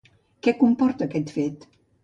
Què comporta aquest fet?